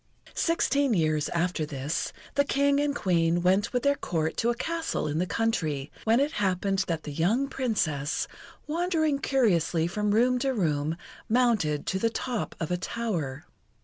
Sixteen years after this, the King and Queen went with their Court to a castle in the country, when it happened that the young Princess, wandering curiously from room to room, mounted to the top of a tower.